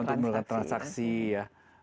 iya untuk memudahkan transaksi ya